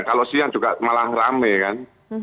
kalau siang juga malah rame kan